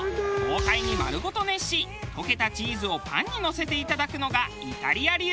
豪快に丸ごと熱し溶けたチーズをパンにのせていただくのがイタリア流。